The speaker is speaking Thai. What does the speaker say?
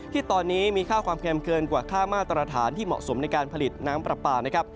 ที่ตอนนี้มีค่าความเค็มเกินกว่าค่ามาตรฐานที่เหมาะสมในการผลิตน้ำปลาปลานะครับ